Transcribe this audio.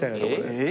えっ？